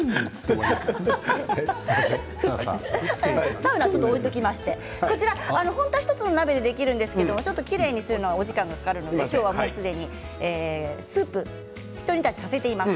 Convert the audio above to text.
サウナは置いておきまして本当は１つの鍋でできますがきれいにするのにお時間がかかるのですでにスープひと煮立ちさせています。